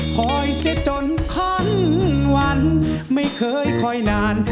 คอยสิจนค่อนวันไม่เคยคอยนาน